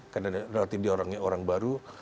karena dia orang baru